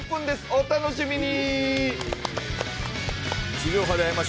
お楽しみに！